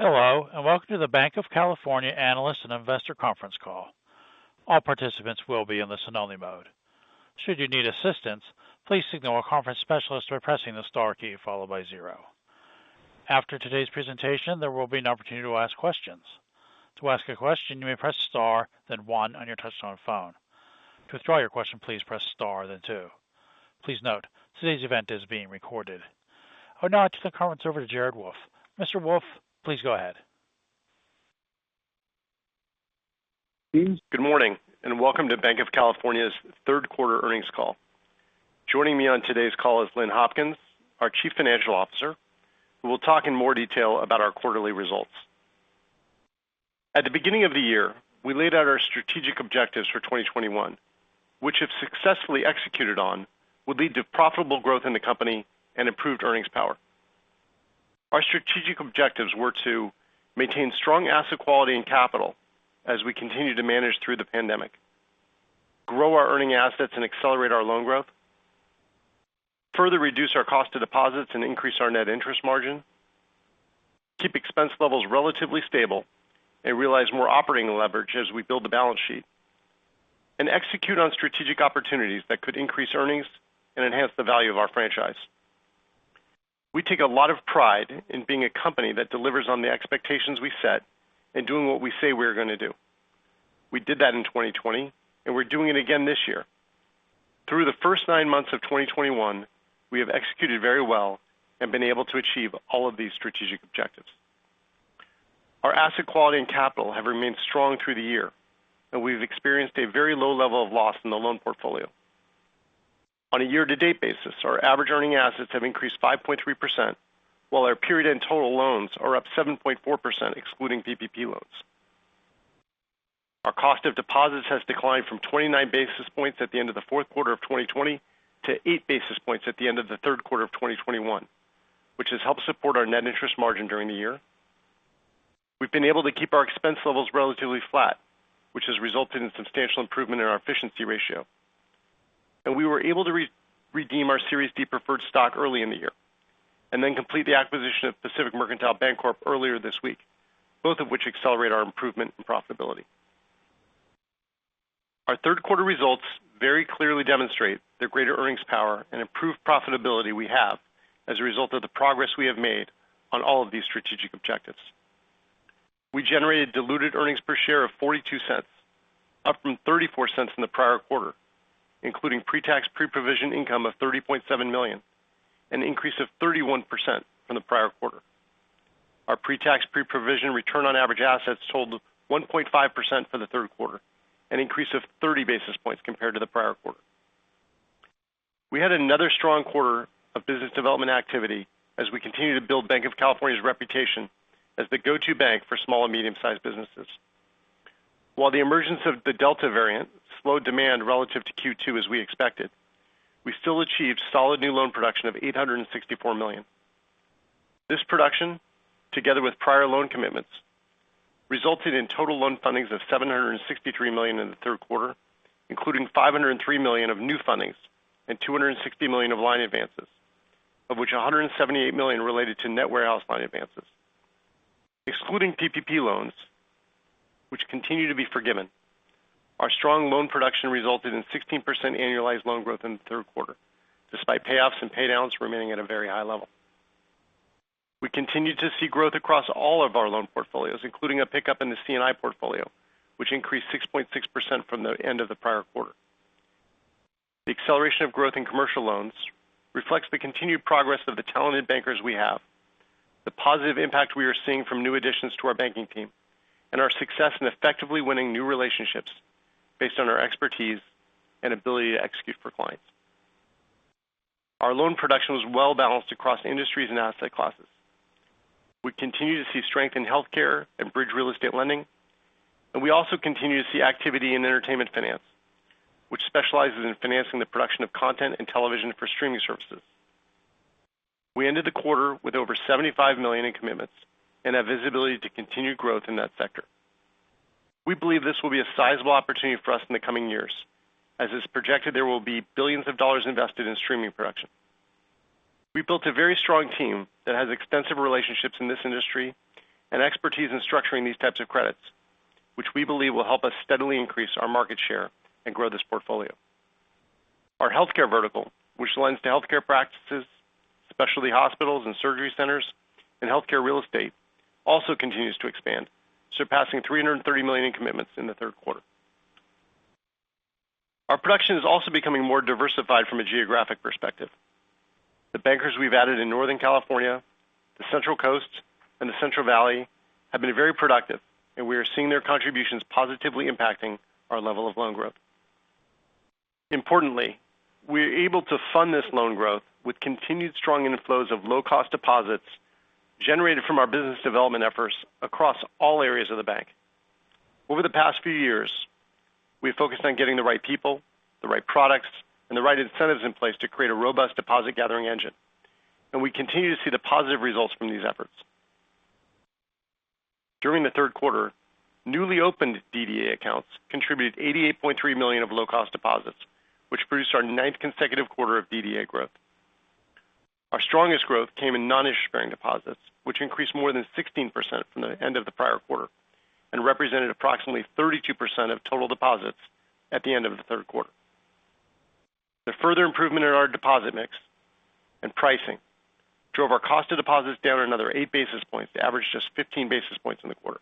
Hello, welcome to the Banc of California analyst and investor conference call. All participants will be in listen-only mode. Should you need assistance, please signal a conference specialist by pressing the star key followed by zero. After today's presentation, there will be an opportunity to ask questions. To ask a question, you may press star, then one on your touchtone phone. To withdraw your question, please press star then two. Please note, today's event is being recorded. I would now like to turn the conference over to Jared Wolff. Mr. Wolff, please go ahead. Good morning, and welcome to Banc of California's Q3 earnings call. Joining me on today's call is Lynn Hopkins, our Chief Financial Officer, who will talk in more detail about our quarterly results. At the beginning of the year, we laid out our strategic objectives for 2021, which if successfully executed on, would lead to profitable growth in the company and improved earnings power. Our strategic objectives were to maintain strong asset quality and capital as we continue to manage through the pandemic, grow our earning assets and accelerate our loan growth, further reduce our cost to deposits and increase our net interest margin, keep expense levels relatively stable, and realize more operating leverage as we build the balance sheet, and execute on strategic opportunities that could increase earnings and enhance the value of our franchise. We take a lot of pride in being a company that delivers on the expectations we set and doing what we say we are going to do. We did that in 2020, and we're doing it again this year. Through the first nine months of 2021, we have executed very well and been able to achieve all of these strategic objectives. Our asset quality and capital have remained strong through the year, and we've experienced a very low level of loss in the loan portfolio. On a year-to-date basis, our average earning assets have increased 5.3%, while our period-end total loans are up 7.4%, excluding PPP loans. Our cost of deposits has declined from 29 basis points at the end of the Q4 of 2020 to 8 basis points at the end of Q3 of 2021, which has helped support our net interest margin during the year. We've been able to keep our expense levels relatively flat, which has resulted in substantial improvement in our efficiency ratio. We were able to redeem our Series D preferred stock early in the year, then complete the acquisition of Pacific Mercantile Bancorp earlier this week, both of which accelerate our improvement and profitability. Our Q3 results very clearly demonstrate the greater earnings power and improved profitability we have as a result of the progress we have made on all of these strategic objectives. We generated diluted earnings per share of $0.42, up from $0.34 in the prior quarter, including pre-tax, pre-provision income of $30.7 million, an increase of 31% from the prior quarter. Our pre-tax, pre-provision return on average assets totaled 1.5% for the third quarter, an increase of 30 basis points compared to the prior quarter. We had another strong quarter of business development activity as we continue to build Banc of California's reputation as the go-to bank for small and medium-sized businesses. While the emergence of the Delta variant slowed demand relative to Q2 as we expected, we still achieved solid new loan production of $864 million. This production, together with prior loan commitments, resulted in total loan fundings of $763 million in the Q3, including $503 million of new fundings and $260 million of line advances, of which $178 million related to net warehouse line advances. Excluding PPP loans, which continue to be forgiven, our strong loan production resulted in 16% annualized loan growth in the Q3, despite payoffs and pay downs remaining at a very high level. We continued to see growth across all of our loan portfolios, including a pickup in the C&I portfolio, which increased 6.6% from the end of the prior quarter. The acceleration of growth in commercial loans reflects the continued progress of the talented bankers we have, the positive impact we are seeing from new additions to our banking team, and our success in effectively winning new relationships based on our expertise and ability to execute for clients. Our loan production was well-balanced across industries and asset classes. We continue to see strength in healthcare and bridge real estate lending, and we also continue to see activity in entertainment finance, which specializes in financing the production of content and television for streaming services. We ended the quarter with over $75 million in commitments and have visibility to continued growth in that sector. We believe this will be a sizable opportunity for us in the coming years, as it's projected there will be billions of dollars invested in streaming production. We built a very strong team that has extensive relationships in this industry and expertise in structuring these types of credits, which we believe will help us steadily increase our market share and grow this portfolio. Our healthcare vertical, which lends to healthcare practices, specialty hospitals and surgery centers, and healthcare real estate, also continues to expand, surpassing $330 million in commitments in the Q3. Our production is also becoming more diversified from a geographic perspective. The bankers we've added in Northern California, the Central Coast, and the Central Valley have been very productive, and we are seeing their contributions positively impacting our level of loan growth. Importantly, we are able to fund this loan growth with continued strong inflows of low-cost deposits generated from our business development efforts across all areas of the bank. Over the past few years, we've focused on getting the right people, the right products, and the right incentives in place to create a robust deposit-gathering engine, and we continue to see the positive results from these efforts. During the Q3, newly opened DDA accounts contributed $88.3 million of low-cost deposits, which produced our ninth consecutive quarter of DDA growth. Our strongest growth came in non-interest-bearing deposits, which increased more than 16% from the end of the prior quarter and represented approximately 32% of total deposits at the end of the Q3. The further improvement in our deposit mix and pricing drove our cost of deposits down another 8 basis points to average just 15 basis points in the quarter.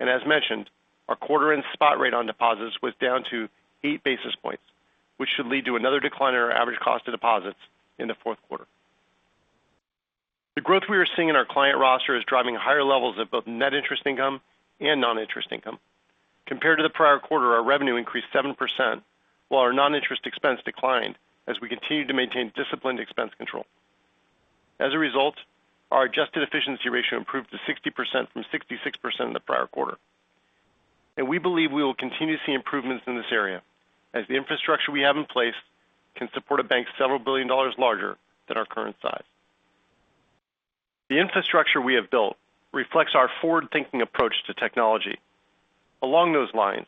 As mentioned, our quarter-end spot rate on deposits was down to 8 basis points, which should lead to another decline in our average cost of deposits in the Q4. The growth we are seeing in our client roster is driving higher levels of both net interest income and non-interest income. Compared to the prior quarter, our revenue increased 7%, while our non-interest expense declined as we continued to maintain disciplined expense control. As a result, our adjusted efficiency ratio improved to 60% from 66% in the prior quarter. We believe we will continue to see improvements in this area, as the infrastructure we have in place can support a bank several billion dollars larger than our current size. The infrastructure we have built reflects our forward-thinking approach to technology. Along those lines,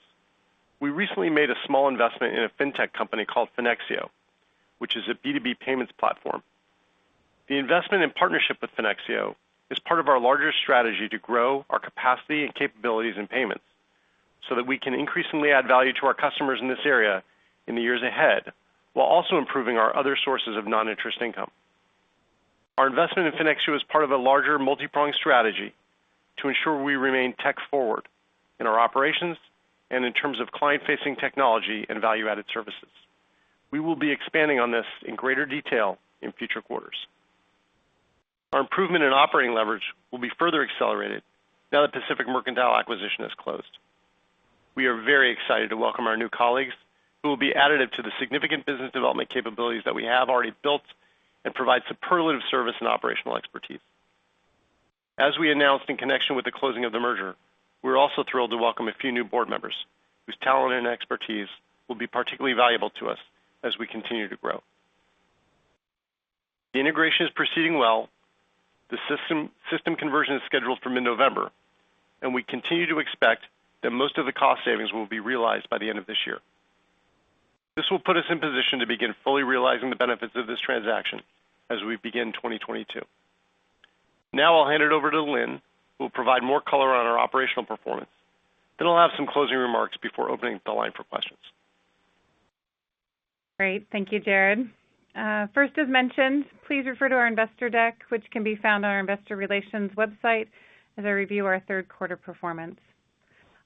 we recently made a small investment in a fintech company called Finexio, which is a B2B payments platform. The investment and partnership with Finexio is part of our larger strategy to grow our capacity and capabilities in payments so that we can increasingly add value to our customers in this area in the years ahead, while also improving our other sources of non-interest income. Our investment in Finexio is part of a larger multi-pronged strategy to ensure we remain tech forward in our operations and in terms of client-facing technology and value-added services. We will be expanding on this in greater detail in future quarters. Our improvement in operating leverage will be further accelerated now that Pacific Mercantile acquisition has closed. We are very excited to welcome our new colleagues who will be additive to the significant business development capabilities that we have already built and provide superlative service and operational expertise. As we announced in connection with the closing of the merger, we're also thrilled to welcome a few new board members whose talent and expertise will be particularly valuable to us as we continue to grow. The integration is proceeding well. The system conversion is scheduled for mid-November, and we continue to expect that most of the cost savings will be realized by the end of this year. This will put us in position to begin fully realizing the benefits of this transaction as we begin 2022. Now I'll hand it over to Lynn, who will provide more color on our operational performance. I'll have some closing remarks before opening up the line for questions. Great. Thank you, Jared. First, as mentioned, please refer to our investor deck, which can be found on our investor relations website as I review ourQ3 performance.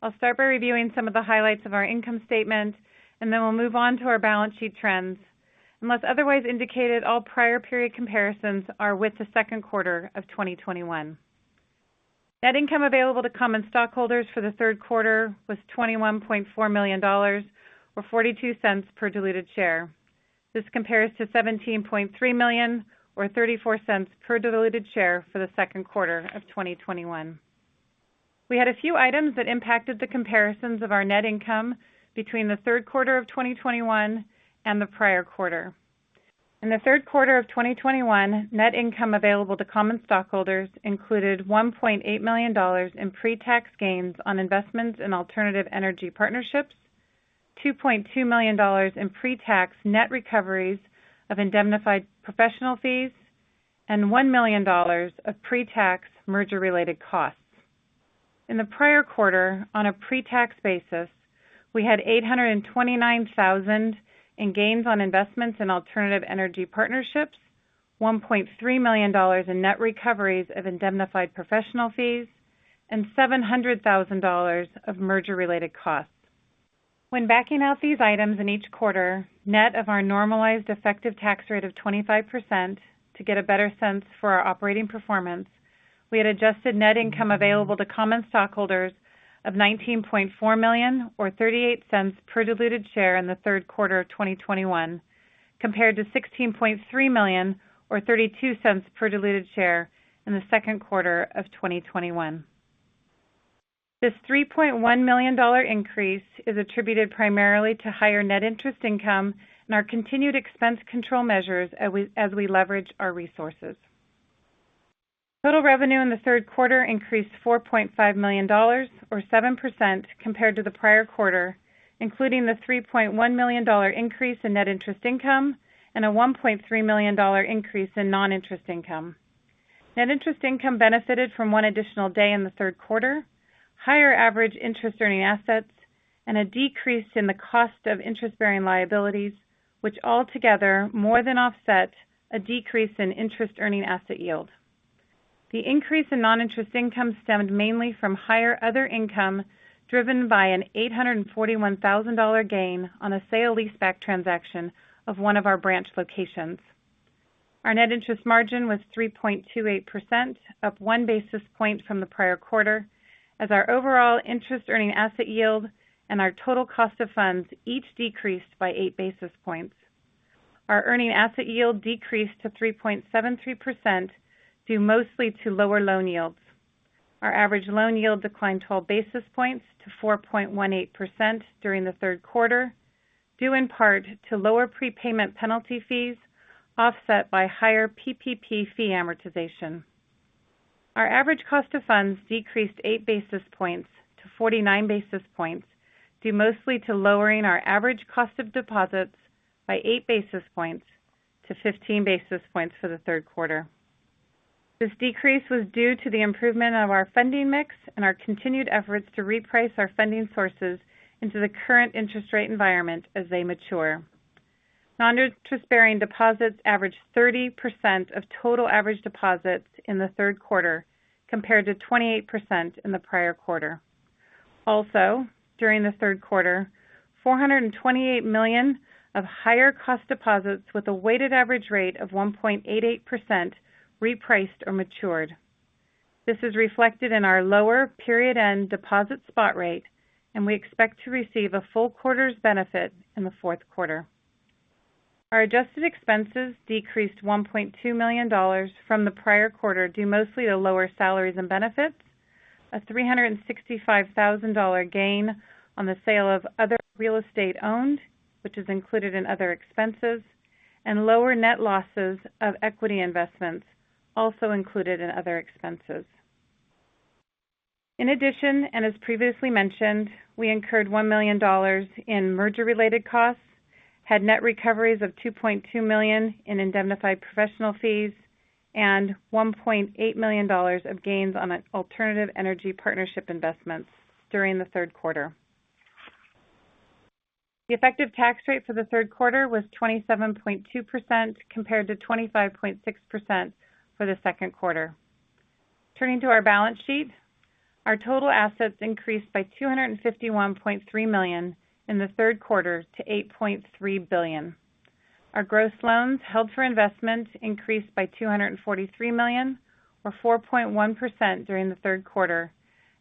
I'll start by reviewing some of the highlights of our income statement, and then we'll move on to our balance sheet trends. Unless otherwise indicated, all prior period comparisons are with the Q2 of 2021. Net income available to common stockholders for the Q3 was $21.4 million, or $0.42 per diluted share. This compares to $17.3 million or $0.34 per diluted share for the Q2 of 2021. We had a few items that impacted the comparisons of our net income between the Q3 of 2021 and the prior quarter. In the Q3 of 2021, net income available to common stockholders included $1.8 million in pre-tax gains on investments in alternative energy partnerships, $2.2 million in pre-tax net recoveries of indemnified professional fees, and $1 million of pre-tax merger-related costs. In the prior quarter, on a pre-tax basis, we had $829,000 in gains on investments in alternative energy partnerships, $1.3 million in net recoveries of indemnified professional fees, and $700,000 of merger-related costs. When backing out these items in each quarter, net of our normalized effective tax rate of 25% to get a better sense for our operating performance, we had adjusted net income available to common stockholders of $19.4 million or $0.38 per diluted share in the Q3 of 2021, compared to $16.3 million or $0.32 per diluted share in the second quarter of 2021. This $3.1 million increase is attributed primarily to higher net interest income and our continued expense control measures as we leverage our resources. Total revenue in the Q3 increased $4.5 million, or 7%, compared to the prior quarter, including the $3.1 million increase in net interest income and a $1.3 million increase in non-interest income. Net interest income benefited from one additional day in the Q3, higher average interest-earning assets, and a decrease in the cost of interest-bearing liabilities, which altogether more than offset a decrease in interest earning asset yield. The increase in non-interest income stemmed mainly from higher other income driven by an $841,000 gain on a sale leaseback transaction of one of our branch locations. Our net interest margin was 3.28%, up 1 basis point from the prior quarter, as our overall interest earning asset yield and our total cost of funds each decreased by 8 basis points. Our earning asset yield decreased to 3.73%, due mostly to lower loan yields. Our average loan yield declined 12 basis points to 4.18% during the Q3. Due in part to lower prepayment penalty fees offset by higher PPP fee amortization. Our average cost of funds decreased 8 basis points to 49 basis points, due mostly to lowering our average cost of deposits by 8 basis points-15 basis points for Q3. This decrease was due to the improvement of our funding mix and our continued efforts to reprice our funding sources into the current interest rate environment as they mature. Non-interest-bearing deposits averaged 30% of total average deposits in the Q3, compared to 28% in the prior quarter. Also, during the Q3, $428 million of higher cost deposits with a weighted average rate of 1.88% repriced or matured. This is reflected in our lower period end deposit spot rate, and we expect to receive a full quarter's benefit in the Q4. Our adjusted expenses decreased $1.2 million from the prior quarter, due mostly to lower salaries and benefits, a $365,000 gain on the sale of other real estate owned, which is included in other expenses, and lower net losses of equity investments also included in other expenses. In addition, as previously mentioned, we incurred $1 million in merger-related costs, had net recoveries of $2.2 million in indemnified professional fees, and $1.8 million of gains on alternative energy partnership investments during the Q3. The effective tax rate for the Q3 was 27.2%, compared to 25.6% for the Q2. Turning to our balance sheet, our total assets increased by $251.3 million in the Q3 to $8.3 billion. Our gross loans held for investment increased by $243 million or 4.1% during the Q3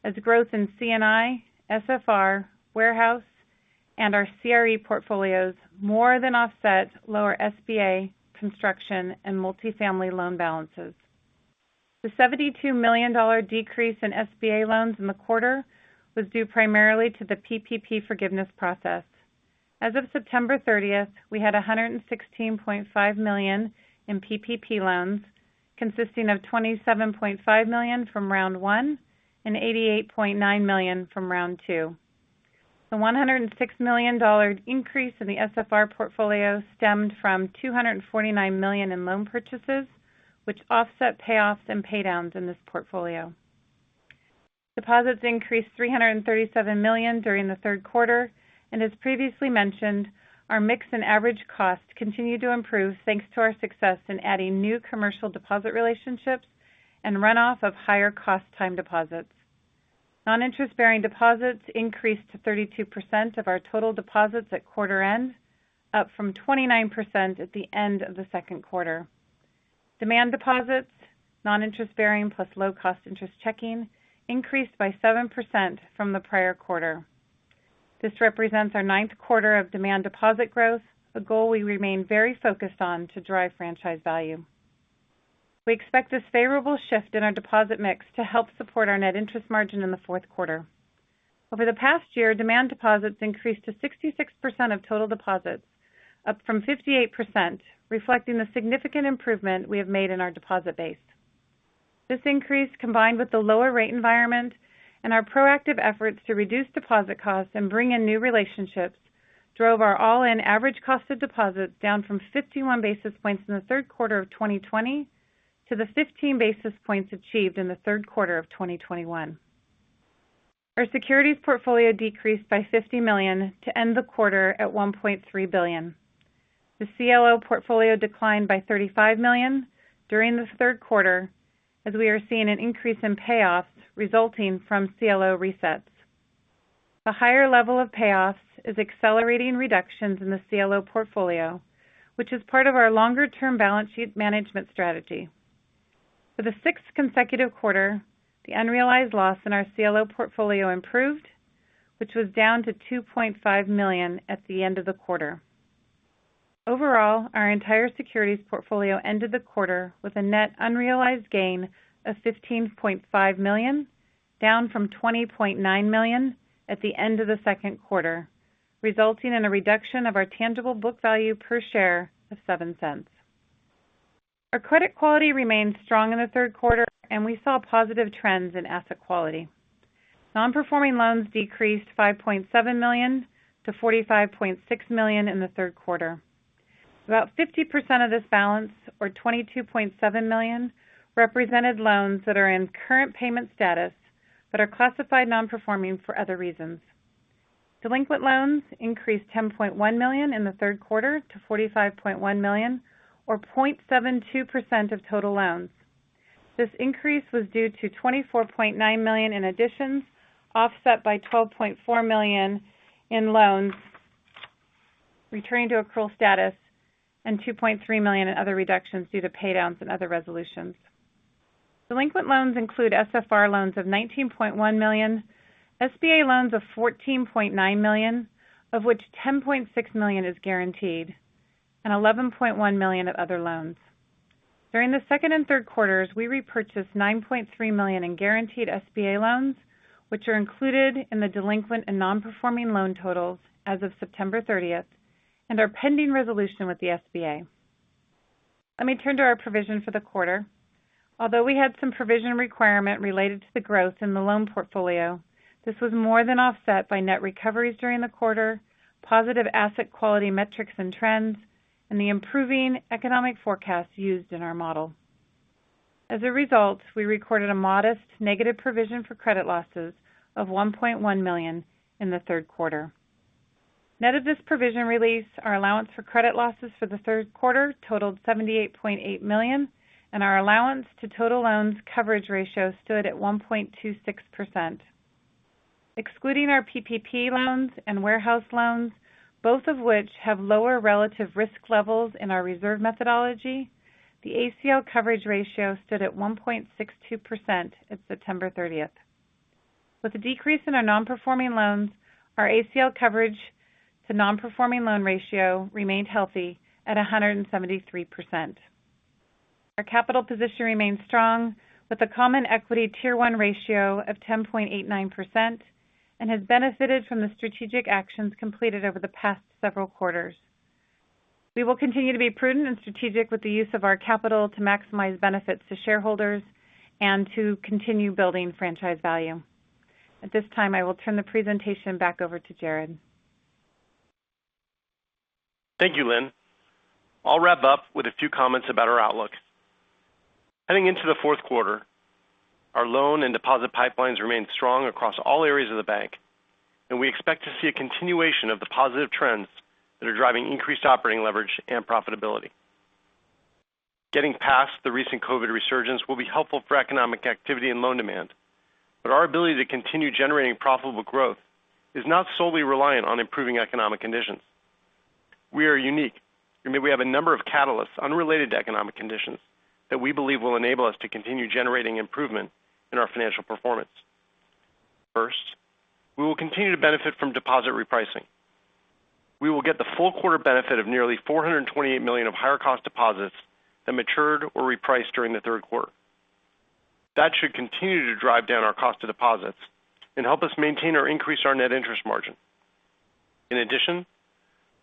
as growth in C&I, SFR, warehouse, and our CRE portfolios more than offset lower SBA, construction, and multifamily loan balances. The $72 million decrease in SBA loans in the quarter was due primarily to the PPP forgiveness process. As of September 30th, we had $116.5 million in PPP loans, consisting of $27.5 million from round one and $88.9 million from round two. The $106 million increase in the SFR portfolio stemmed from $249 million in loan purchases, which offset payoffs and paydowns in this portfolio. Deposits increased $337 million during the Q3, and as previously mentioned, our mix and average cost continued to improve thanks to our success in adding new commercial deposit relationships and runoff of higher cost time deposits. Non-interest-bearing deposits increased to 32% of our total deposits at quarter-end, up from 29% at the end of the Q2. Demand deposits, non-interest-bearing plus low-cost interest checking, increased by 7% from the prior quarter. This represents our Q9 of demand deposit growth, a goal we remain very focused on to drive franchise value. We expect this favorable shift in our deposit mix to help support our net interest margin in the Q4. Over the past year, demand deposits increased to 66% of total deposits, up from 58%, reflecting the significant improvement we have made in our deposit base. This increase, combined with the lower rate environment and our proactive efforts to reduce deposit costs and bring in new relationships, drove our all-in average cost of deposits down from 51 basis points in the Q3 of 2020 to the 15 basis points achieved in the Q3 of 2021. Our securities portfolio decreased by $50 million to end the quarter at $1.3 billion. The CLO portfolio declined by $35 million during the Q3, as we are seeing an increase in payoffs resulting from CLO resets. The higher level of payoffs is accelerating reductions in the CLO portfolio, which is part of our longer-term balance sheet management strategy. For the sixth consecutive quarter, the unrealized loss in our CLO portfolio improved, which was down to $2.5 million at the end of the quarter. Overall, our entire securities portfolio ended the quarter with a net unrealized gain of $15.5 million, down from $20.9 million at the end of the Q2, resulting in a reduction of our tangible book value per share of $0.07. Our credit quality remained strong in the Q3, and we saw positive trends in asset quality. Non-performing loans decreased $5.7 million to $45.6 million in the Q3. About 50% of this balance, or $22.7 million, represented loans that are in current payment status but are classified non-performing for other reasons. Delinquent loans increased $10.1 million in the Q3 to $45.1 million, or 0.72% of total loans. This increase was due to $24.9 million in additions, offset by $12.4 million in loans returning to accrual status and $2.3 million in other reductions due to paydowns and other resolutions. Delinquent loans include SFR loans of $19.1 million, SBA loans of $14.9 million, of which $10.6 million is guaranteed, and $11.1 million of other loans. During the Q2 and Q3, we repurchased $9.3 million in guaranteed SBA loans, which are included in the delinquent and non-performing loan totals as of September 30th, and are pending resolution with the SBA. Let me turn to our provision for the quarter. Although we had some provision requirement related to the growth in the loan portfolio, this was more than offset by net recoveries during the quarter, positive asset quality metrics and trends, and the improving economic forecasts used in our model. As a result, we recorded a modest negative provision for credit losses of $1.1 million in the Q3. Net of this provision release, our allowance for credit losses for the Q3 totaled $78.8 million, and our allowance to total loans coverage ratio stood at 1.26%. Excluding our PPP loans and warehouse loans, both of which have lower relative risk levels in our reserve methodology, the ACL coverage ratio stood at 1.62% at September 30th. With a decrease in our non-performing loans, our ACL coverage to non-performing loan ratio remained healthy at 173%. Our capital position remains strong with a Common Equity Tier 1 ratio of 10.89%, and has benefited from the strategic actions completed over the past several quarters. We will continue to be prudent and strategic with the use of our capital to maximize benefits to shareholders and to continue building franchise value. At this time, I will turn the presentation back over to Jared. Thank you, Lynn. I'll wrap up with a few comments about our outlook. Heading into the Q4, our loan and deposit pipelines remain strong across all areas of the bank, and we expect to see a continuation of the positive trends that are driving increased operating leverage and profitability. Getting past the recent COVID resurgence will be helpful for economic activity and loan demand, but our ability to continue generating profitable growth is not solely reliant on improving economic conditions. We are unique in that we have a number of catalysts unrelated to economic conditions that we believe will enable us to continue generating improvement in our financial performance. First, we will continue to benefit from deposit repricing. We will get the full quarter benefit of nearly $428 million of higher cost deposits that matured or repriced during the Q3. That should continue to drive down our cost of deposits and help us maintain or increase our net interest margin. In addition,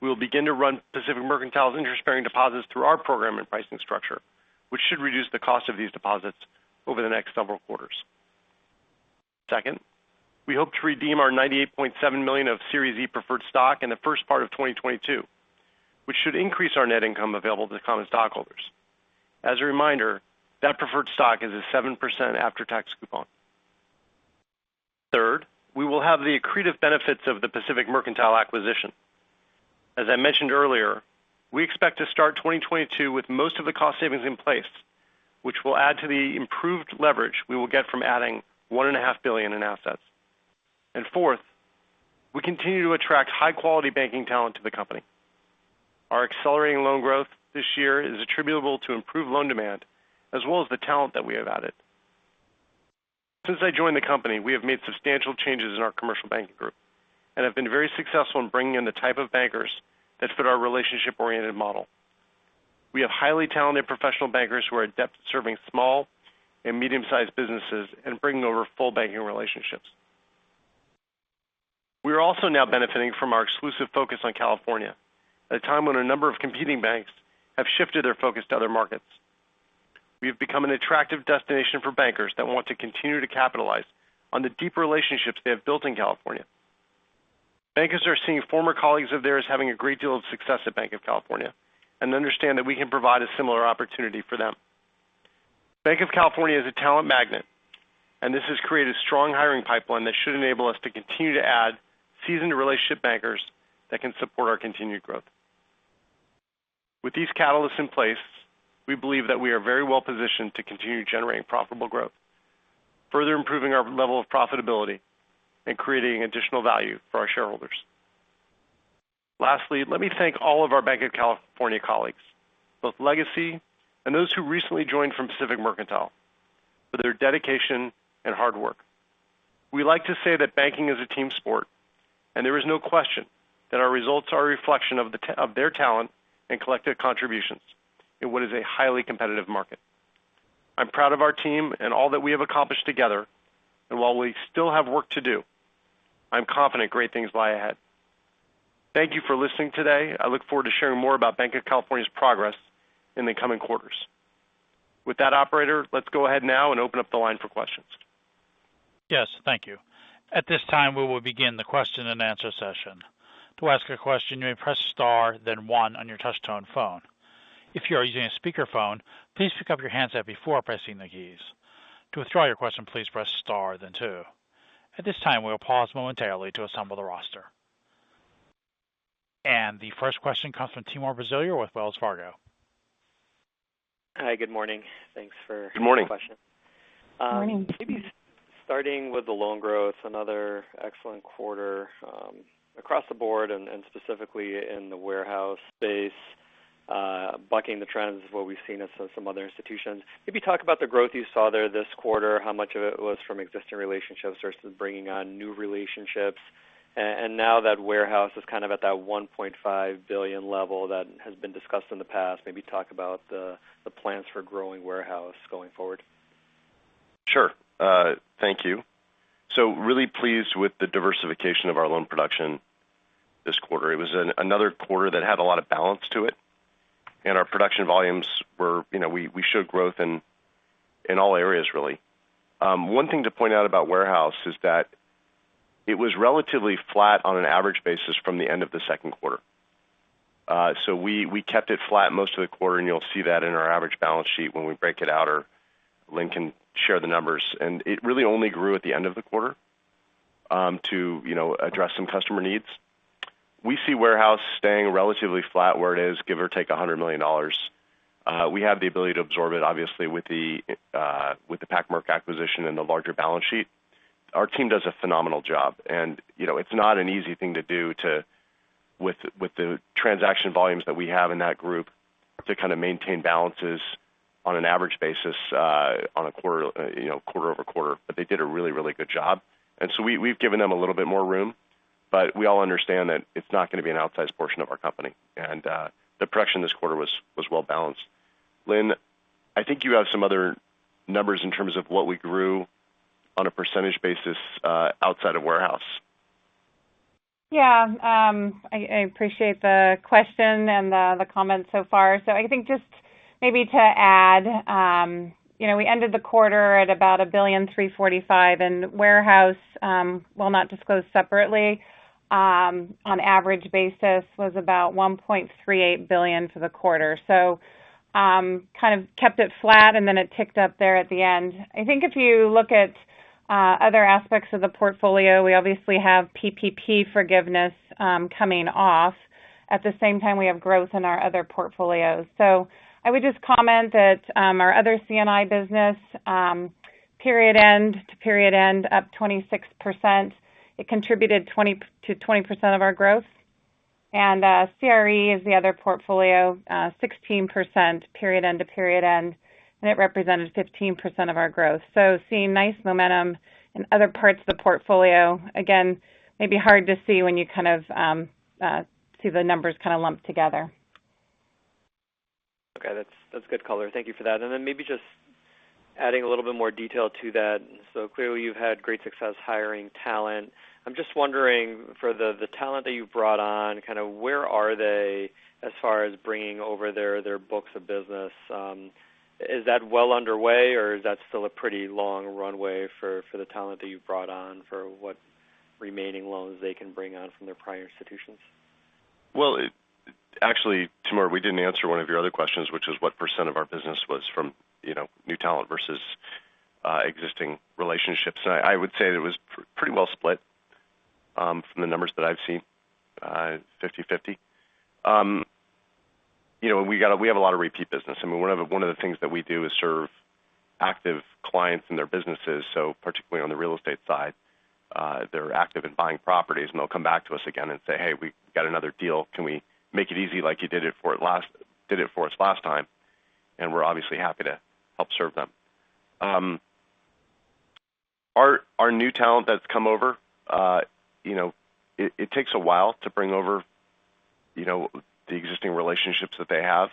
we will begin to run Pacific Mercantile's interest-bearing deposits through our program and pricing structure, which should reduce the cost of these deposits over the next several quarters. Second, we hope to redeem our $98.7 million of Series E preferred stock in the first part of 2022, which should increase our net income available to common stockholders. As a reminder, that preferred stock is a 7% after-tax coupon. Third, we will have the accretive benefits of the Pacific Mercantile acquisition. As I mentioned earlier, we expect to start 2022 with most of the cost savings in place, which will add to the improved leverage we will get from adding $1.5 billion in assets. Fourth, we continue to attract high-quality banking talent to the company. Our accelerating loan growth this year is attributable to improved loan demand, as well as the talent that we have added. Since I joined the company, we have made substantial changes in our commercial banking group and have been very successful in bringing in the type of bankers that fit our relationship-oriented model. We have highly talented professional bankers who are adept at serving small and medium-sized businesses and bringing over full banking relationships. We are also now benefiting from our exclusive focus on California at a time when a number of competing banks have shifted their focus to other markets. We have become an attractive destination for bankers that want to continue to capitalize on the deep relationships they have built in California. Bankers are seeing former colleagues of theirs having a great deal of success at Banc of California and understand that we can provide a similar opportunity for them. Banc of California is a talent magnet, and this has created a strong hiring pipeline that should enable us to continue to add seasoned relationship bankers that can support our continued growth. With these catalysts in place, we believe that we are very well positioned to continue generating profitable growth, further improving our level of profitability, and creating additional value for our shareholders. Lastly, let me thank all of our Banc of California colleagues, both legacy and those who recently joined from Pacific Mercantile, for their dedication and hard work. We like to say that banking is a team sport, and there is no question that our results are a reflection of their talent and collective contributions in what is a highly competitive market. I'm proud of our team and all that we have accomplished together. While we still have work to do, I'm confident great things lie ahead. Thank you for listening today. I look forward to sharing more about Banc of California's progress in the coming quarters. With that, operator, let's go ahead now and open up the line for questions. Yes. Thank you. At this time, we will begin the question and answer session. To ask a question, you may press star then one on your touchtone phone. If you are using a speakerphone, please pick up your handset before pressing the keys. To withdraw your question, please press star then two. At this time, we will pause momentarily to assemble the roster. The first question comes from Timur Braziler with Wells Fargo. Hi. Good morning. Thanks. Good morning. The question. Morning. Maybe starting with the loan growth, another excellent quarter across the board and specifically in the warehouse space, bucking the trends of what we've seen at some other institutions. Maybe talk about the growth you saw there this quarter, how much of it was from existing relationships versus bringing on new relationships. Now that warehouse is kind of at that $1.5 billion level that has been discussed in the past. Maybe talk about the plans for growing warehouse going forward. Sure. Thank you. Really pleased with the diversification of our loan production this quarter. It was another quarter that had a lot of balance to it, and our production volumes we showed growth in all areas really. One thing to point out about warehouse is that it was relatively flat on an average basis from the end of the Q2. We kept it flat most of the quarter, and you'll see that in our average balance sheet when we break it out, or Lynn can share the numbers. It really only grew at the end of the quarter to address some customer needs. We see warehouse staying relatively flat where it is, give or take $100 million. We have the ability to absorb it, obviously, with the Pac-Merc acquisition and the larger balance sheet. Our team does a phenomenal job. It's not an easy thing to do with the transaction volumes that we have in that group to kind of maintain balances on an average basis on a quarter-over-quarter. They did a really good job, and so we've given them a little bit more room, but we all understand that it's not going to be an outsized portion of our company. The production this quarter was well balanced. Lynn, I think you have some other numbers in terms of what we grew on a percentage basis outside of warehouse. Yeah. I appreciate the question and the comments so far. I think just maybe to add, we ended the quarter at about $1.345 billion and warehouse, while not disclosed separately, on average basis was about $1.38 billion for the quarter. kind of kept it flat and then it ticked up there at the end. I think if you look at other aspects of the portfolio, we obviously have PPP forgiveness coming off. At the same time, we have growth in our other portfolios. I would just comment that our other C&I business period-end to period-end up 26%, it contributed to 20% of our growth. CRE is the other portfolio, 16% period-end to period-end, and it represented 15% of our growth. seeing nice momentum in other parts of the portfolio. Again, may be hard to see when you kind of see the numbers kind of lumped together. Okay. That's good color. Thank you for that. Then maybe just adding a little bit more detail to that. Clearly you've had great success hiring talent. I'm just wondering for the talent that you've brought on, kind of where are they as far as bringing over their books of business? Is that well underway or is that still a pretty long runway for the talent that you've brought on for what remaining loans they can bring on from their prior institutions? Well, actually, Timur, we didn't answer one of your other questions, which was what percent of our business was from new talent versus existing relationships. I would say it was pretty well split from the numbers that I've seen, 50/50. We have a lot of repeat business. I mean, one of the things that we do is serve active clients and their businesses. Particularly on the real estate side, they're active in buying properties, and they'll come back to us again and say, "Hey, we got another deal. Can we make it easy like you did it for us last time?" We're obviously happy to help serve them. Our new talent that's come over, it takes a while to bring over the existing relationships that they have.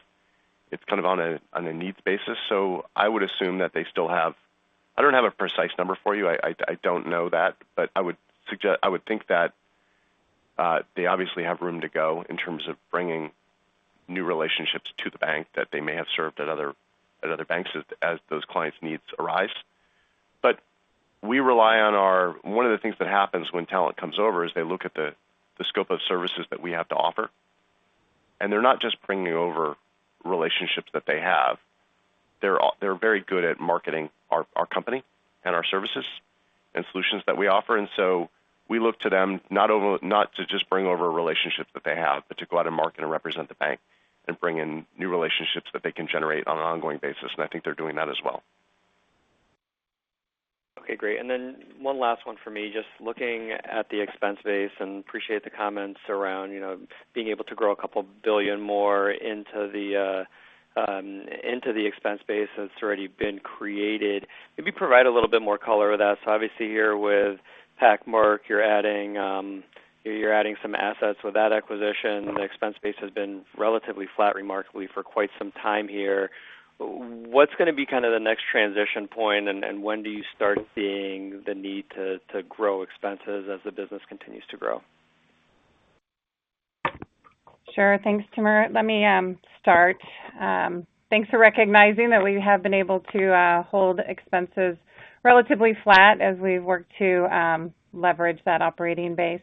It's kind of on a needs basis. I don't have a precise number for you. I don't know that, but I would think that they obviously have room to go in terms of bringing new relationships to the bank that they may have served at other banks as those clients' needs arise. One of the things that happens when talent comes over is they look at the scope of services that we have to offer, and they're not just bringing over relationships that they have. They're very good at marketing our company and our services and solutions that we offer. We look to them not to just bring over relationships that they have, but to go out and market and represent the bank and bring in new relationships that they can generate on an ongoing basis. I think they're doing that as well. Okay, great. One last one for me. Looking at the expense base and appreciate the comments around being able to grow a couple billion more into the expense base that's already been created. Maybe provide a little bit more color with that. Obviously here with Pac-Merc, you're adding some assets with that acquisition. The expense base has been relatively flat remarkably for quite some time here. What's going to be kind of the next transition point, and when do you start seeing the need to grow expenses as the business continues to grow? Sure. Thanks, Timur. Let me start. Thanks for recognizing that we have been able to hold expenses relatively flat as we've worked to leverage that operating base.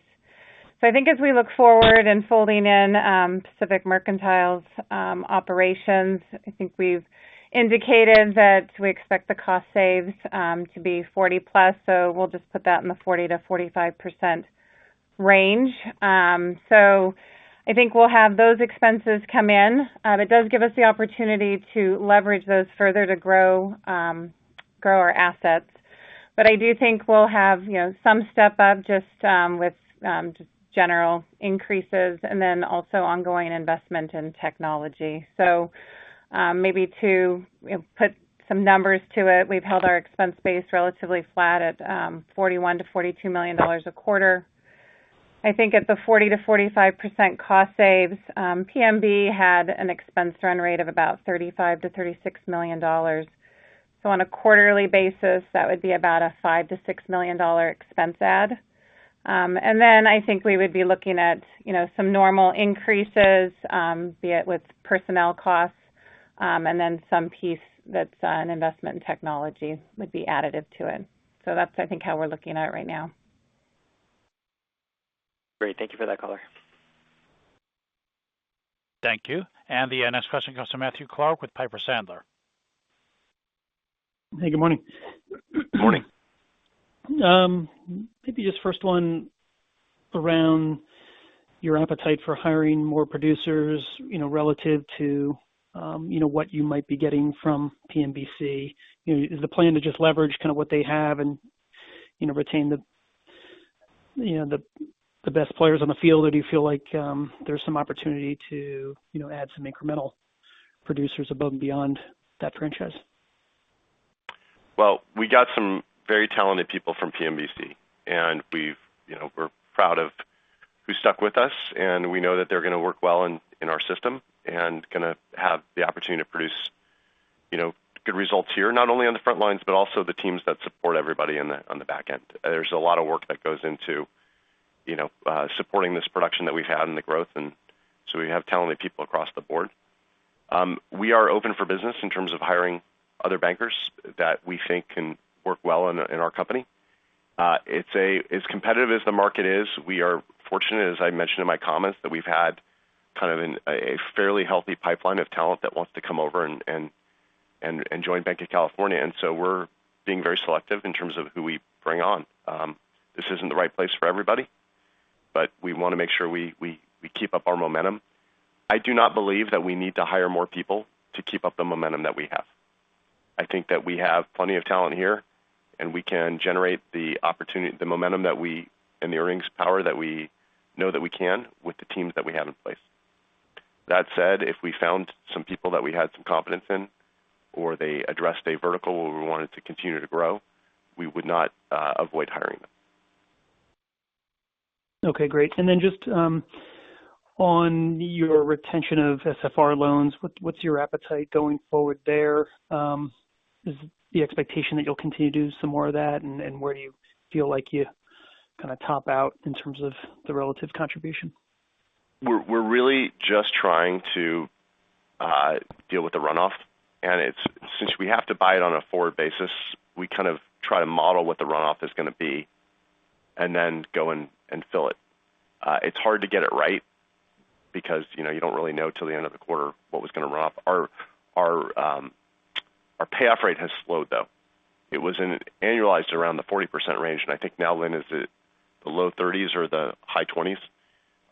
I think as we look forward in folding in Pacific Mercantile's operations, I think we've indicated that we expect the cost saves to be 40+. We'll just put that in the 40%-45% range. I think we'll have those expenses come in. It does give us the opportunity to leverage those further to grow our assets. I do think we'll have some step up just with general increases and then also ongoing investment in technology. Maybe to put some numbers to it, we've held our expense base relatively flat at $41 million-$42 million a quarter. I think at the 40%-45% cost saves, PMB had an expense run rate of about $35 million-$36 million. On a quarterly basis, that would be about a $5 million-$6 million expense add. Then I think we would be looking at some normal increases, be it with personnel costs, and then some piece that's an investment in technology would be additive to it. That's, I think, how we're looking at it right now. Great. Thank you for that color. Thank you. The next question goes to Matthew Clark with Piper Sandler. Hey, good morning. Good morning. Maybe just first one around your appetite for hiring more producers relative to what you might be getting from PMBC. Is the plan to just leverage kind of what they have and retain the best players on the field? Or do you feel like there's some opportunity to add some incremental producers above and beyond that franchise? We got some very talented people from PMBC, and we're proud of who stuck with us, and we know that they're going to work well in our system and going to have the opportunity to produce good results here. Not only on the front lines, but also the teams that support everybody on the back end. There's a lot of work that goes into supporting this production that we've had and the growth. We have talented people across the board. We are open for business in terms of hiring other bankers that we think can work well in our company. As competitive as the market is, we are fortunate, as I mentioned in my comments, that we've had kind of a fairly healthy pipeline of talent that wants to come over and join Banc of California. We're being very selective in terms of who we bring on. This isn't the right place for everybody, but we want to make sure we keep up our momentum. I do not believe that we need to hire more people to keep up the momentum that we have. I think that we have plenty of talent here, and we can generate the momentum and the earnings power that we know that we can with the teams that we have in place. That said, if we found some people that we had some confidence in, or they addressed a vertical where we wanted to continue to grow, we would not avoid hiring them. Okay, great. Just on your retention of SFR loans, what's your appetite going forward there? Is the expectation that you'll continue to do some more of that, and where do you feel like you kind of top out in terms of the relative contribution? We're really just trying to deal with the runoff. Since we have to buy it on a forward basis, we kind of try to model what the runoff is going to be and then go in and fill it. It's hard to get it right because you don't really know till the end of the quarter what was going to run off. Our payoff rate has slowed, though. It was annualized around the 40% range, and I think now, Lynn, is it the low 30s or the high 20s?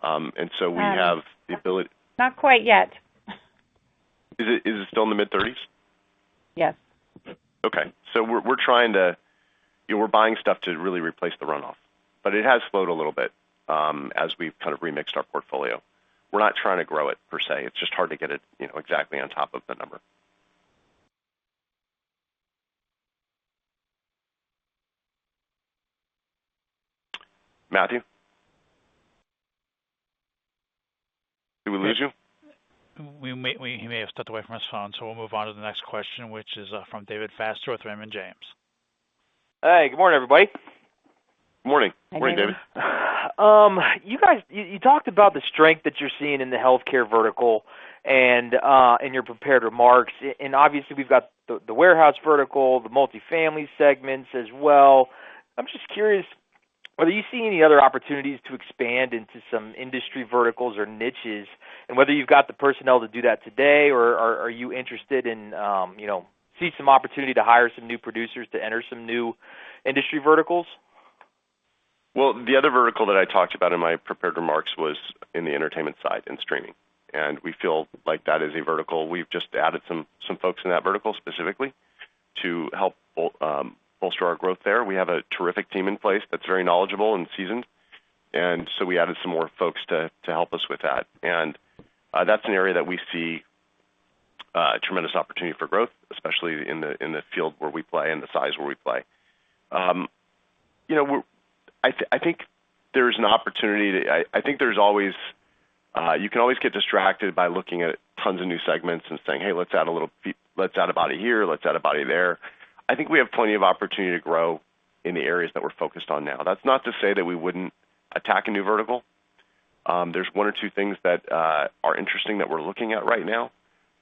We have the ability- Not quite yet. Is it still in the mid-30s? Yes. Okay. We're buying stuff to really replace the runoff. It has slowed a little bit as we've kind of remixed our portfolio. We're not trying to grow it per se. It's just hard to get it exactly on top of the number. Matthew? Did we lose you? He may have stepped away from his phone. We'll move on to the next question, which is from David Feaster with Raymond James. Hey, good morning, everybody. Morning. Morning, David. You talked about the strength that you're seeing in the healthcare vertical in your prepared remarks, and obviously we've got the warehouse vertical, the multifamily segments as well. I'm just curious whether you see any other opportunities to expand into some industry verticals or niches, and whether you've got the personnel to do that today, or are you interested in see some opportunity to hire some new producers to enter some new industry verticals? Well, the other vertical that I talked about in my prepared remarks was in the entertainment side, in streaming. We feel like that is a vertical. We've just added some folks in that vertical specifically to help bolster our growth there. We have a terrific team in place that's very knowledgeable and seasoned, and so we added some more folks to help us with that. That's an area that we see a tremendous opportunity for growth, especially in the field where we play and the size where we play. I think you can always get distracted by looking at tons of new segments and saying, "Hey, let's add a body here. Let's add a body there." I think we have plenty of opportunity to grow in the areas that we're focused on now. That's not to say that we wouldn't attack a new vertical. There's one or two things that are interesting that we're looking at right now,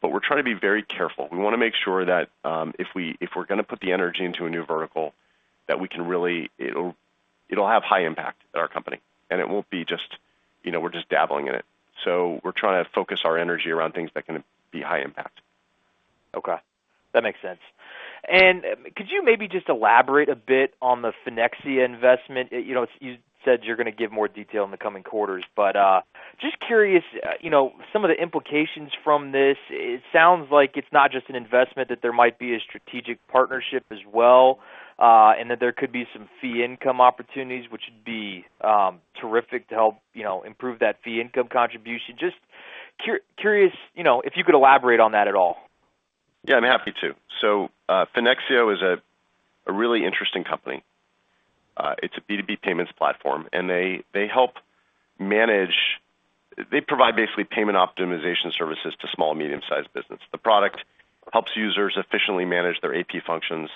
but we're trying to be very careful. We want to make sure that if we're going to put the energy into a new vertical, that it'll have high impact at our company, and it won't be just we're just dabbling in it. We're trying to focus our energy around things that can be high impact. Okay. That makes sense. Could you maybe just elaborate a bit on the Finexio investment? You said you're going to give more detail in the coming quarters, but just curious, some of the implications from this. It sounds like it's not just an investment, that there might be a strategic partnership as well, and that there could be some fee income opportunities which would be terrific to help improve that fee income contribution. Just curious if you could elaborate on that at all. Yeah, I'm happy to. Finexio is a really interesting company. It's a B2B payments platform, and they provide basically payment optimization services to small, medium-sized business. The product helps users efficiently manage their AP functions,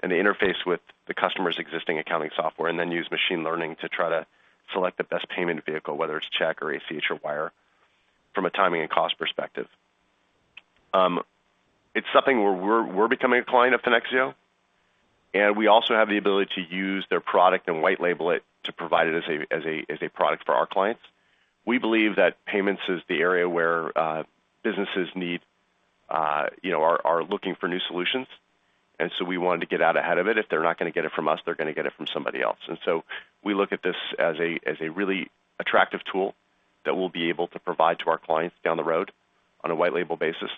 and they interface with the customer's existing accounting software, and then use machine learning to try to select the best payment vehicle, whether it's check or ACH or wire, from a timing and cost perspective. It's something where we're becoming a client of Finexio, and we also have the ability to use their product and white label it to provide it as a product for our clients. We believe that payments is the area where businesses are looking for new solutions. We wanted to get out ahead of it. If they're not going to get it from us, they're going to get it from somebody else. We look at this as a really attractive tool that we'll be able to provide to our clients down the road on a white label basis.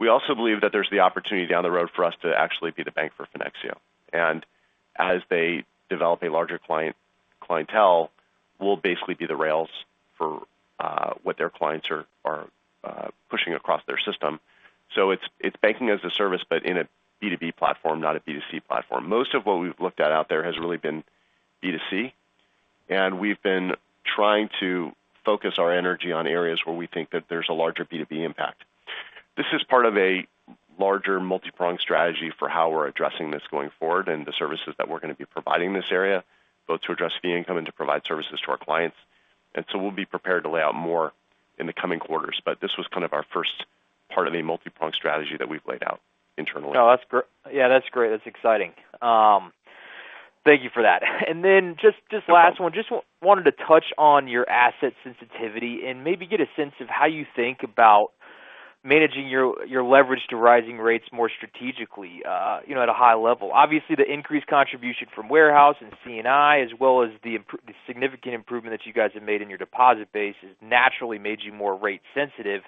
We also believe that there's the opportunity down the road for us to actually be the bank for Finexio. As they develop a larger clientele, we'll basically be the rails for what their clients are pushing across their system. It's banking as a service, but in a B2B platform, not a B2C platform. Most of what we've looked at out there has really been B2C, and we've been trying to focus our energy on areas where we think that there's a larger B2B impact. This is part of a larger multi-pronged strategy for how we're addressing this going forward and the services that we're going to be providing in this area, both to address fee income and to provide services to our clients. We'll be prepared to lay out more in the coming quarters, but this was kind of our first part of a multi-pronged strategy that we've laid out internally. No, that's great. That's exciting. Thank you for that. Just last one. Just wanted to touch on your asset sensitivity and maybe get a sense of how you think about managing your leverage to rising rates more strategically at a high level. Obviously, the increased contribution from warehouse and C&I as well as the significant improvement that you guys have made in your deposit base has naturally made you more rate sensitive.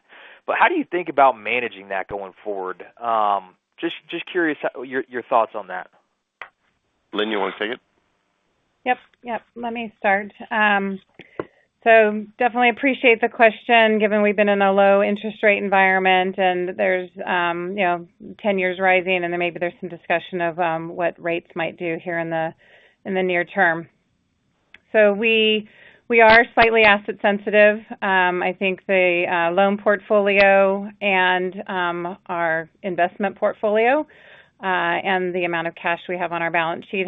How do you think about managing that going forward? Just curious your thoughts on that. Lynn, you want to take it? Yep. Let me start. Definitely appreciate the question, given we've been in a low interest rate environment and there's 10 years rising and then maybe there's some discussion of what rates might do here in the near term. We are slightly asset sensitive. I think the loan portfolio and our investment portfolio, and the amount of cash we have on our balance sheet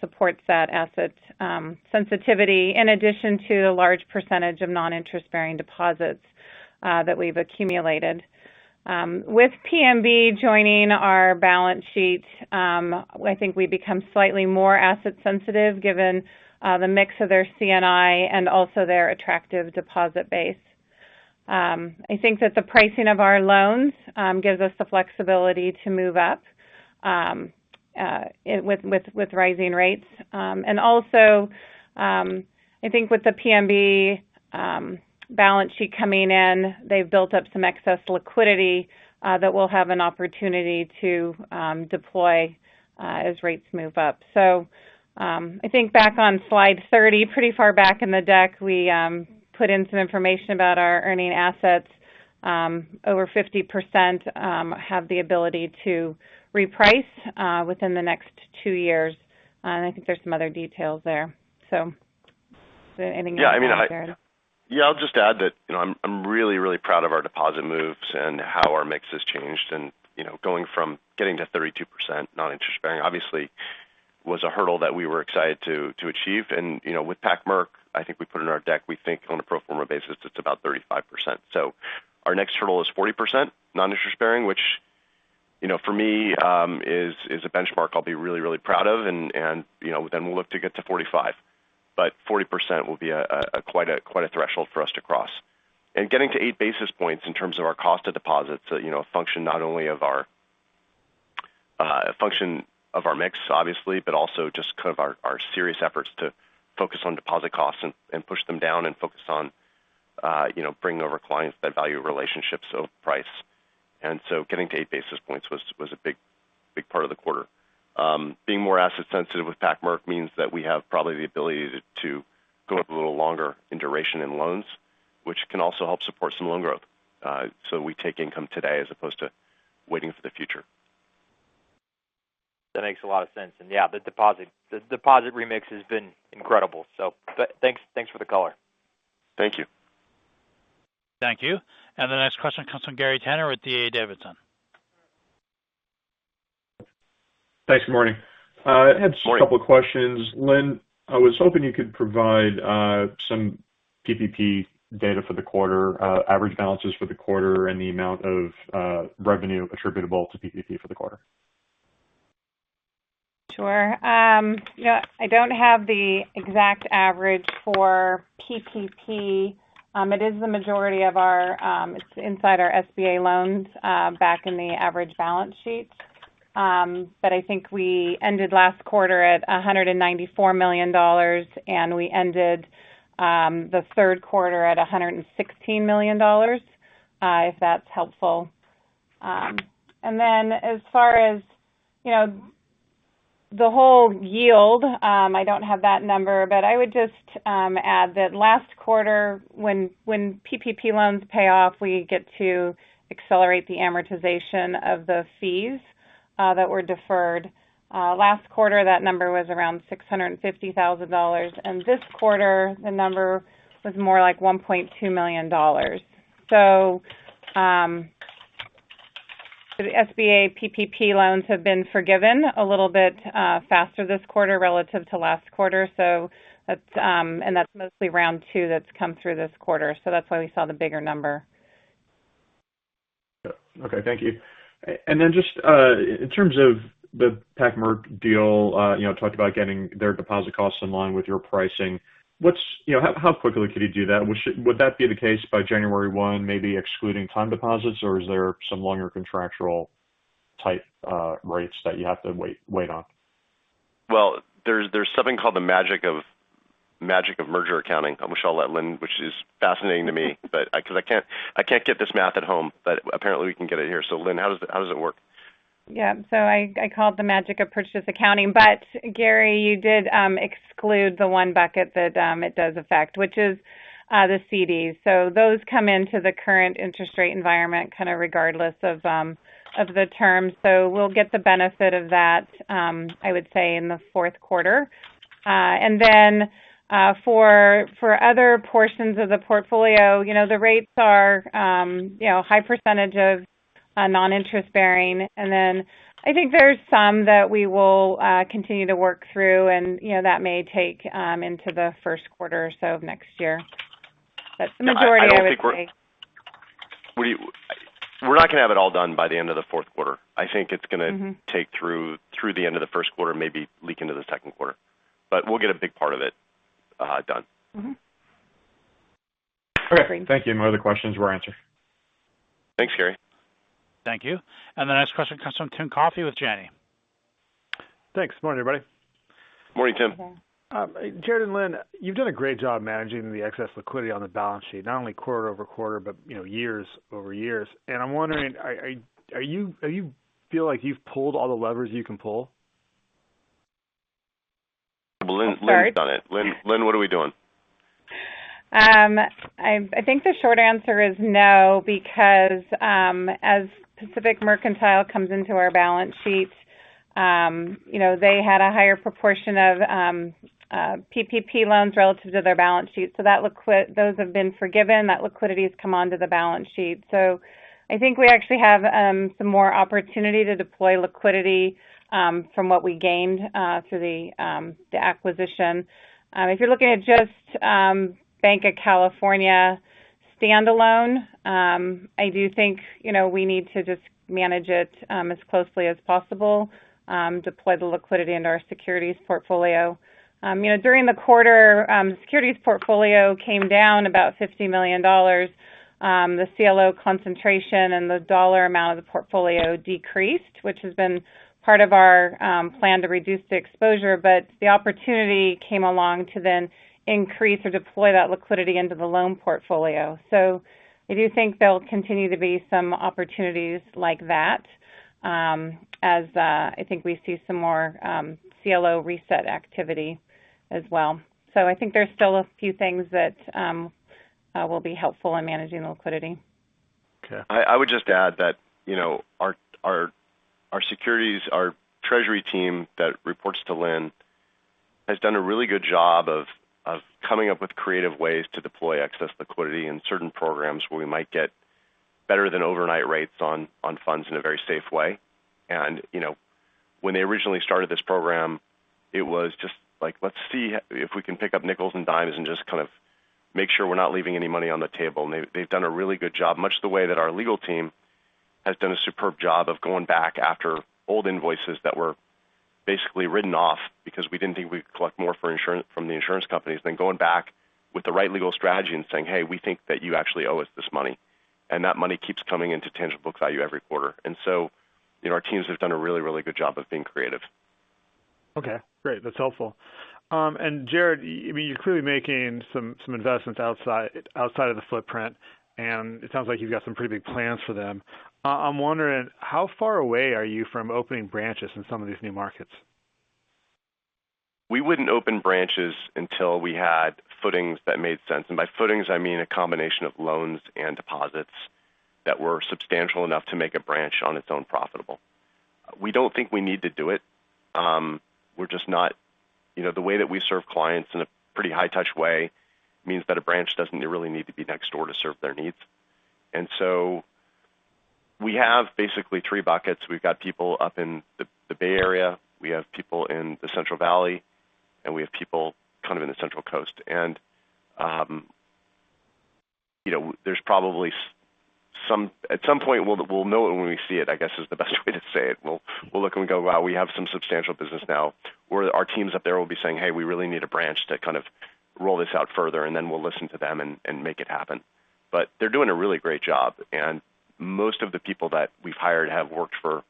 supports that asset sensitivity, in addition to a large percentage of non-interest-bearing deposits that we've accumulated. With PMB joining our balance sheet, I think we become slightly more asset sensitive given the mix of their C&I and also their attractive deposit base. I think that the pricing of our loans gives us the flexibility to move up with rising rates. Also, I think with the PMB balance sheet coming in, they've built up some excess liquidity that we'll have an opportunity to deploy as rates move up. I think back on slide 30, pretty far back in the deck, we put in some information about our earning assets. Over 50% have the ability to reprice within the next two years. I think there's some other details there. Anything else to add there? Yeah, I'll just add that I'm really proud of our deposit moves and how our mix has changed and getting to 32% non-interest-bearing obviously was a hurdle that we were excited to achieve. With Pac-Merc, I think we put in our deck, we think on a pro forma basis, it's about 35%. Our next hurdle is 40% non-interest-bearing, which for me is a benchmark I'll be really proud of, then we'll look to get to 45%. 40% will be quite a threshold for us to cross. Getting to 8 basis points in terms of our cost of deposits, a function not only of our mix, obviously, but also just kind of our serious efforts to focus on deposit costs and push them down and focus on bringing over clients that value relationships over price. Getting to 8 basis points was a big part of the quarter. Being more asset sensitive with Pac-Merc means that we have probably the ability to go up a little longer in duration in loans, which can also help support some loan growth. We take income today as opposed to waiting for the future. That makes a lot of sense. Yeah, the deposit remix has been incredible. Thanks for the color. Thank you. Thank you. The next question comes from Gary Tenner with D.A. Davidson & Co. Thanks. Good morning. Morning. I had just a couple of questions. Lynn, I was hoping you could provide some PPP data for the quarter, average balances for the quarter, and the amount of revenue attributable to PPP for the quarter. Sure. I don't have the exact average for PPP. It's inside our SBA loans back in the average balance sheet. I think we ended last quarter at $194 million, and we ended the Q3 at $116 million, if that's helpful. As far as the whole yield, I don't have that number, but I would just add that last quarter, when PPP loans pay off, we get to accelerate the amortization of the fees that were deferred. Last quarter, that number was around $650,000, and this quarter the number was more like $1.2 million. The SBA PPP loans have been forgiven a little bit faster this quarter relative to last quarter, and that's mostly round two that's come through this quarter, so that's why we saw the bigger number. Okay. Thank you. Just in terms of the Pac-Merc deal, you talked about getting their deposit costs in line with your pricing. How quickly could you do that? Would that be the case by January 1, maybe excluding time deposits, or is there some longer contractual type rates that you have to wait on? Well, there's something called the magic of merger accounting. Which is fascinating to me because I can't get this math at home, but apparently we can get it here. Lynn, how does it work? Yeah. I call it the magic of purchase accounting. Gary, you did exclude the one bucket that it does affect, which is the CDs. Those come into the current interest rate environment kind of regardless of the terms. We'll get the benefit of that, I would say in the Q4. For other portions of the portfolio, the rates are high percentage of non-interest bearing. I think there's some that we will continue to work through and that may take into the Q1 or so of next year. The majority, I would say. We're not going to have it all done by the end of the Q4. take through the end of the Q1, maybe leak into the Q2, but we'll get a big part of it done. Perfect. Thank you. No other questions were answered. Thanks, Gary. Thank you. The next question comes from Timothy Coffey with Janney. Thanks. Good morning, everybody. Morning, Tim. Morning. Jared and Lynn, you've done a great job managing the excess liquidity on the balance sheet, not only quarter-over-quarter, but year-over-year. I'm wondering, do you feel like you've pulled all the levers you can pull? Well, Lynn's done it. Sorry. Lynn, what are we doing? I think the short answer is no, because as Pacific Mercantile comes into our balance sheet they had a higher proportion of PPP loans relative to their balance sheet. Those have been forgiven. That liquidity has come onto the balance sheet. I think we actually have some more opportunity to deploy liquidity from what we gained through the acquisition. If you're looking at just Banc of California standalone, I do think we need to just manage it as closely as possible, deploy the liquidity into our securities portfolio. During the quarter, the securities portfolio came down about $50 million. The CLO concentration and the dollar amount of the portfolio decreased, which has been part of our plan to reduce the exposure. The opportunity came along to then increase or deploy that liquidity into the loan portfolio. I do think there'll continue to be some opportunities like that as I think we see some more CLO reset activity as well. I think there's still a few things that will be helpful in managing the liquidity. Okay. I would just add that our securities, our treasury team that reports to Lynn has done a really good job of coming up with creative ways to deploy excess liquidity in certain programs where we might get better than overnight rates on funds in a very safe way. When they originally started this program, it was just like, Let's see if we can pick up nickels and dimes and just kind of make sure we're not leaving any money on the table. They've done a really good job. Much the way that our legal team has done a superb job of going back after old invoices that were basically written off because we didn't think we could collect more from the insurance companies, then going back with the right legal strategy and saying, "Hey, we think that you actually owe us this money." That money keeps coming into tangible book value every quarter. Our teams have done a really, really good job of being creative. Okay. Great. That's helpful. Jared, you're clearly making some investments outside of the footprint, and it sounds like you've got some pretty big plans for them. I'm wondering how far away are you from opening branches in some of these new markets? We wouldn't open branches until we had footings that made sense. By footings, I mean a combination of loans and deposits that were substantial enough to make a branch on its own profitable. We don't think we need to do it. The way that we serve clients in a pretty high touch way means that a branch doesn't really need to be next door to serve their needs. We have basically three buckets. We've got people up in the Bay Area, we have people in the Central Valley, and we have people kind of in the Central Coast. At some point, we'll know it when we see it, I guess is the best way to say it. We'll look and we go, "Wow, we have some substantial business now." Where our teams up there will be saying, "Hey, we really need a branch to kind of roll this out further," and then we'll listen to them and make it happen. They're doing a really great job, and most of the people that we've hired have worked for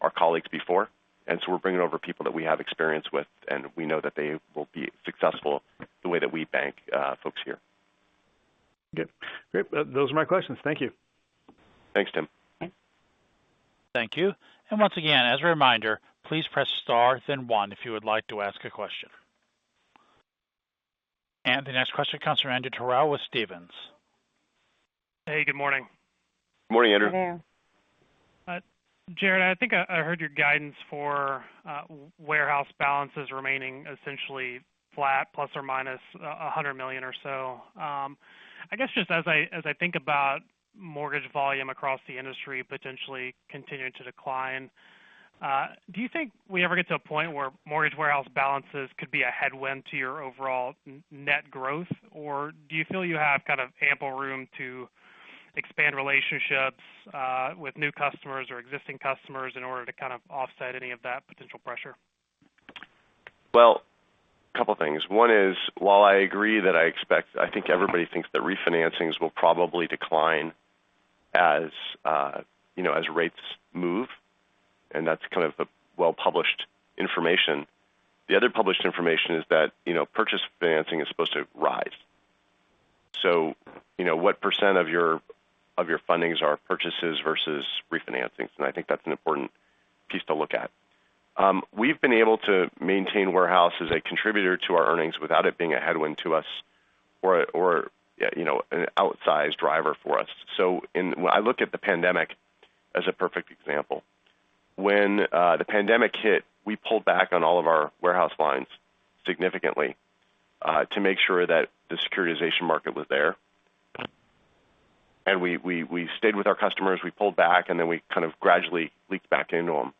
our colleagues before, and so we're bringing over people that we have experience with, and we know that they will be successful the way that we bank folks here. Good. Great. Those are my questions. Thank you. Thanks, Tim. Thank you. Once again, as a reminder, please press star then one if you would like to ask a question. The next question comes from Andrew Terrell with Stephens. Hey, good morning. Morning, Andrew. Good day. Jared, I think I heard your guidance for warehouse balances remaining essentially flat, ±$100 million or so. I guess, just as I think about mortgage volume across the industry potentially continuing to decline, do you think we ever get to a point where mortgage warehouse balances could be a headwind to your overall net growth? Do you feel you have kind of ample room to expand relationships with new customers or existing customers in order to kind of offset any of that potential pressure? Well, two things. One is, while I agree that I think everybody thinks that refinancings will probably decline as rates move, and that's kind of the well-published information. The other published information is that purchase financing is supposed to rise. What percent of your fundings are purchases versus refinancing? I think that's an important piece to look at. We've been able to maintain warehouse as a contributor to our earnings without it being a headwind to us or an outsized driver for us. I look at the pandemic as a perfect example. When the pandemic hit, we pulled back on all of our warehouse lines significantly to make sure that the securitization market was there. We stayed with our customers, we pulled back, and then we kind of gradually leaked back into them.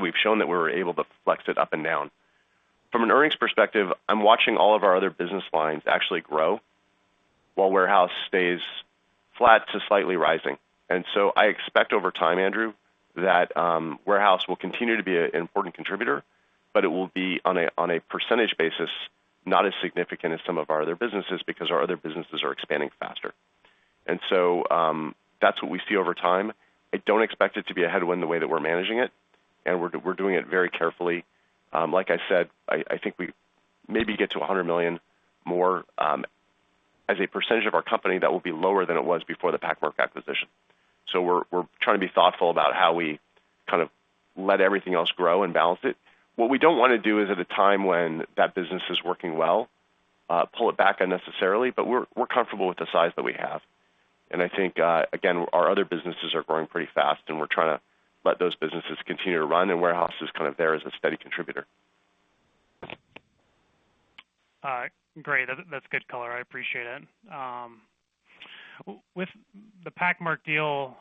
We've shown that we're able to flex it up and down. From an earnings perspective, I'm watching all of our other business lines actually grow while warehouse stays flat to slightly rising. I expect over time, Andrew, that warehouse will continue to be an important contributor, but it will be on a percentage basis, not as significant as some of our other businesses, because our other businesses are expanding faster. That's what we see over time. I don't expect it to be a headwind the way that we're managing it, and we're doing it very carefully. Like I said, I think we maybe get to $100 million more. As a percentage of our company, that will be lower than it was before the Pac-Merc acquisition. We're trying to be thoughtful about how we kind of let everything else grow and balance it. What we don't want to do is at a time when that business is working well pull it back unnecessarily. We're comfortable with the size that we have. I think, again, our other businesses are growing pretty fast, and we're trying to let those businesses continue to run, and warehouse is kind of there as a steady contributor. All right. Great. That's good color. I appreciate it. With the PacMerc deal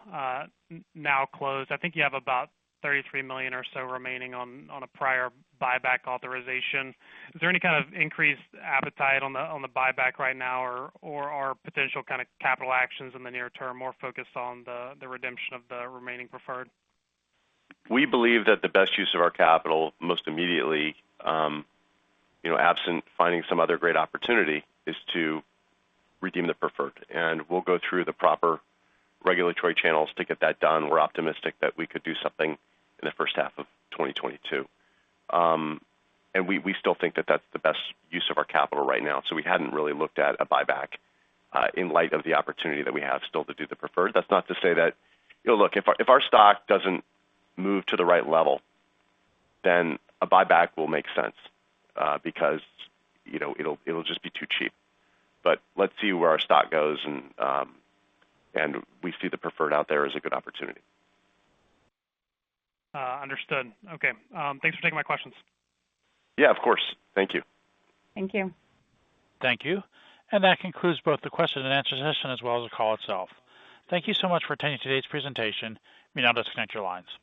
now closed, I think you have about $33 million or so remaining on a prior buyback authorization. Is there any kind of increased appetite on the buyback right now? Or are potential kind of capital actions in the near term more focused on the redemption of the remaining preferred? We believe that the best use of our capital most immediately, absent finding some other great opportunity, is to redeem the preferred. We'll go through the proper regulatory channels to get that done. We're optimistic that we could do something in the H1 of 2022. We still think that that's the best use of our capital right now. We hadn't really looked at a buyback in light of the opportunity that we have still to do the preferred. That's not to say look, if our stock doesn't move to the right level, then a buyback will make sense because it'll just be too cheap. Let's see where our stock goes, and we see the preferred out there as a good opportunity. Understood. Okay. Thanks for taking my questions. Yeah, of course. Thank you. Thank you. That concludes both the question-and-answer session as well as the call itself. Thank you so much for attending today's presentation. You may now disconnect your lines.